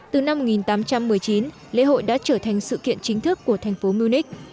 từ năm một nghìn tám trăm một mươi chín lễ hội đã trở thành sự kiện chính thức